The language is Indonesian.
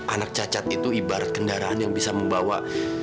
anak cacat itu ibarat kendaraan yang bisa membawa